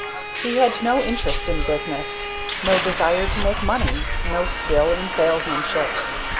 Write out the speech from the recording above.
He had no interest in business, no desire to make money, no skill in salesmanship.